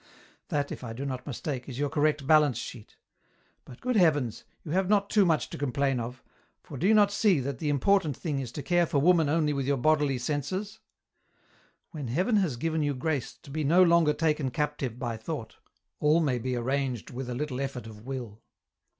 That, if I do not mistake, is your correct balance sheet. But, good heavens, you have not too much to complain of, for do you not see that the important thing is to care for woman only with your bodily senses ? When Heaven has given you grace to be no longer taken captive by thought, all may be arranged with a little effort ot will."